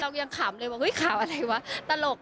เรายังขำเลยว่าอุ๊ยขาวอะไรวะตลก